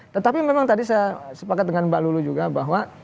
tetapi memang tadi saya sepakat dengan mbak lulu juga bahwa